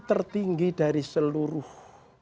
tertinggi dari seluruh